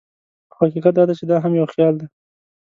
خو حقیقت دا دی چې دا هم یو خیال دی.